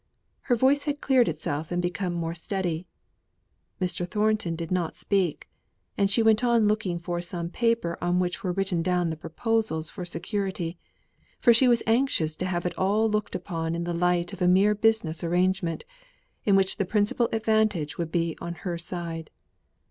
Her voice had cleared itself and become more steady. Mr. Thornton did not speak, and she went on looking for some paper on which were written down the proposals for security; for she was most anxious to have it all looked upon in the light of a mere business arrangement, in which the principal advantage would be on her side.